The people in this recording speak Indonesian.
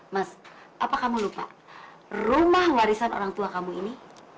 mas apa kamu lupa rumah warisan orang tua kamu ini